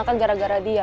nah potatoes makasih ya